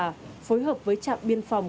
phối hợp với trạm biên phòng